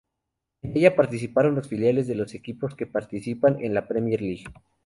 En ella participaron los filiales de los equipos que participan en la Premier League.